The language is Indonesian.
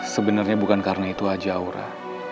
sebenarnya bukan karena itu aja aura